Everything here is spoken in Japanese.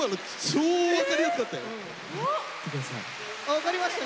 分かりました？